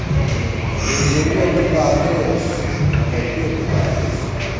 تُوربُوریہ تُو پالېس ، ملَکِیہ تُو بالېس